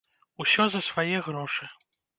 Усё за свае грошы.